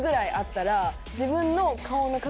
自分の。